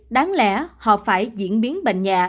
đáng lẽ họ phải diễn biến bệnh nhạ